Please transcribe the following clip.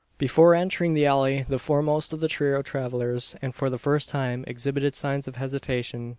Before entering the alley the foremost of the trio of travellers, and for the first time, exhibited signs of hesitation.